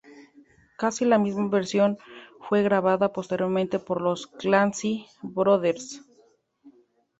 Casi la misma versión fue grabada posteriormente por los Clancy Brothers.